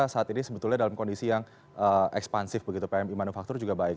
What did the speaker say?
saat ini sebetulnya dalam kondisi yang ekspansif begitu pmi manufaktur juga baik